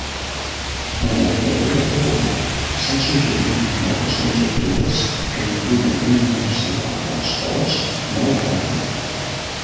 En la literatura popular, s'han suggerit moltes conjectures que impliquen una inversió dels pols molt ràpida.